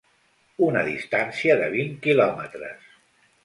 Una distància de vint quilòmetres.